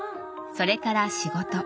それから仕事。